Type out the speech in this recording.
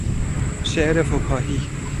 شعر فکاهی